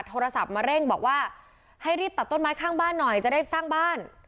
โทรศัพท์มาเร่งบอกว่าให้รีบตัดต้นไม้ข้างบ้านหน่อยจะได้สร้างบ้าน